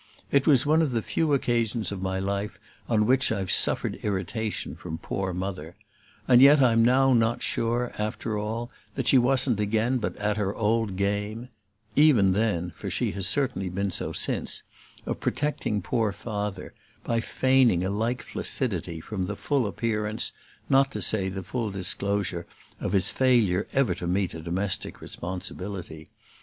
It was one of the few occasions of my life on which I've suffered irritation from poor Mother; and yet I'm now not sure, after all, that she wasn't again but at her old game (even then, for she has certainly been so since) of protecting poor Father, by feigning a like flaccidity, from the full appearance, not to say the full dishonor, of his failure ever to meet a domestic responsibility.